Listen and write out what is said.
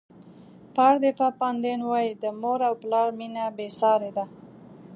پاردیفا پاندین وایي د مور او پلار مینه بې سارې ده.